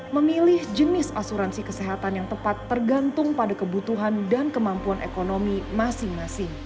memilih jenis asuransi kesehatan yang tepat tergantung pada kebutuhan dan kemampuan ekonomi masing masing